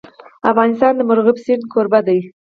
افغانستان د مورغاب سیند کوربه دی.